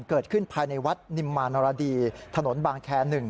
เกิดขึ้นภายในวัดนิมมานรดีถนนบางแคร์๑